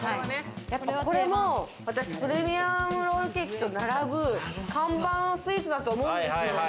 やっぱこれもプレミアムロールケーキと並ぶ看板スイーツだと思うんですよ。